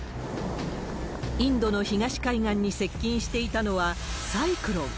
インドの東海岸に接近していたのは、サイクロン。